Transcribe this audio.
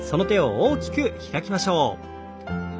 大きく開きましょう。